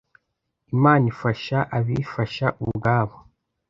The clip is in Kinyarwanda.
Imana ifasha abifasha ubwabo.